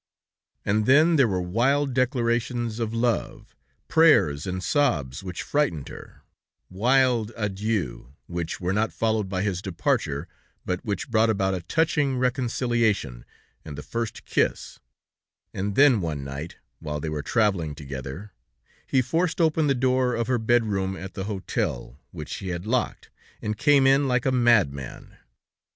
And then, there were wild declarations of love, prayers and sobs which frightened her; wild adieux, which were not followed by his departure, but which brought about a touching reconciliation and the first kiss, and then, one night, while they were traveling together, he forced open the door of her bedroom at the hotel, which she had locked, and came in like a mad man.